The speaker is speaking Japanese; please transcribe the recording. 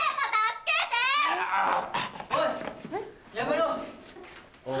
やめろ！